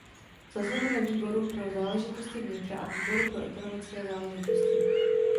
Zasedl se výboru pro záležitosti vnitra a výboru pro ekonomické záležitosti.